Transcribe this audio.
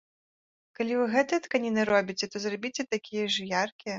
Калі вы гэтыя тканіны робіце, то зрабіце такія ж яркія.